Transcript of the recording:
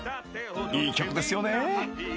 ［いい曲ですよね］